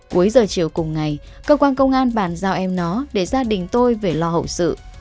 cuối giờ chiều cùng ngày cơ quan công an bàn giao em nó để gia đình tôi về lo hậu sự